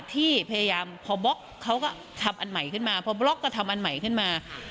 ที่พยายามพอบล็อกเขาก็ทำอันใหม่ขึ้นมาพอบล็อกก็ทำอันใหม่ขึ้นมา